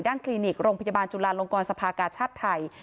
คลินิกโรงพยาบาลจุลาลงกรสภากาชาติไทย